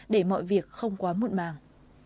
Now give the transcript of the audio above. để mọi việc không quá muộn màng